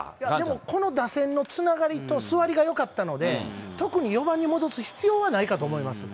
この打線のつながりと座りがよかったので、特に４番に戻す必要はないかと思います。